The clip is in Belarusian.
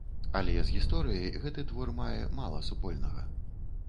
Але з гісторыяй гэты твор мае мала супольнага.